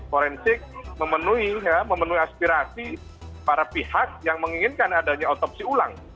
forensik memenuhi aspirasi para pihak yang menginginkan adanya otopsi ulang